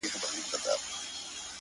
دا خو ډيره گرانه ده،